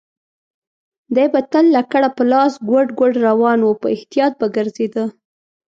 دی به تل لکړه په لاس ګوډ ګوډ روان و، په احتیاط به ګرځېده.